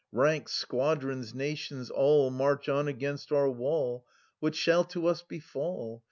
Ranks, squadrons, nations, all March on against our wall — What shall to us befall